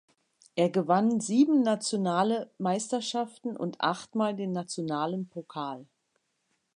Er gewann sieben nationale Meisterschaften und achtmal den nationalen Pokal.